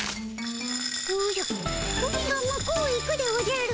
おじゃプリンが向こうへ行くでおじゃる。